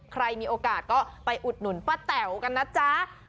ใครมีโอกาสก็ไปอุดหนุนป้าแต๋วกันนะจ๊ะ